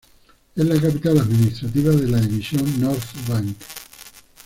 Es la capital administrativa de la División North Bank.